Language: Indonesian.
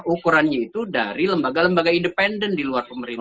ukurannya itu dari lembaga lembaga independen di luar pemerintah